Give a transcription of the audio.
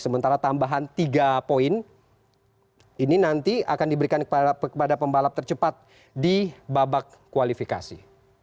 sementara tambahan tiga poin ini nanti akan diberikan kepada pembalap tercepat di babak kualifikasi